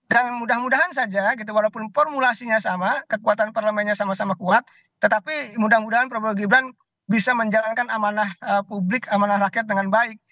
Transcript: dan mudah mudahan saja walaupun formulasinya sama kekuatan parlamennya sama sama kuat tetapi mudah mudahan prabowo gibrang bisa menjalankan amanah publik amanah rakyat dengan baik